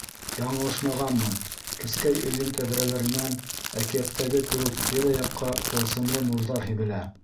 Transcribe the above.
Яңылышмағанмын, кескәй өйҙөң тәҙрәләренән, әкиәттәге кеүек, тирә-яҡҡа тылсымлы нурҙар һибелә.